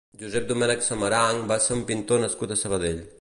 Josep Domènech Samaranch va ser un pintor nascut a Sabadell.